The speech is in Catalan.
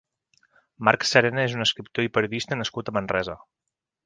Marc Serena és un escriptor i periodista nascut a Manresa.